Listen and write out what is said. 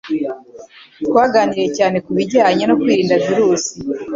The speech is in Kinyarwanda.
Twaganiriye cyane kubijyanye no kwirinda virusi .